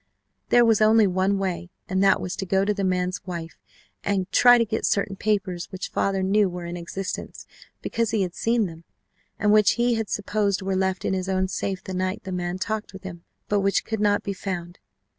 There was only one way and that was to go to the man's wife and try to get certain papers which father knew were in existence because he had seen them, and which he had supposed were left in his own safe the night the man talked with him, but which could not be found.